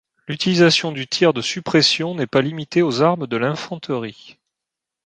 L'utilisation du tir de suppression n'est pas limité aux armes de l'infanterie.